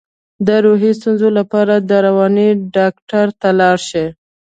د روحي ستونزو لپاره د رواني ډاکټر ته لاړ شئ